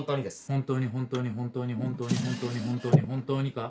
本当に本当に本当に本当に本当に本当に本当にか？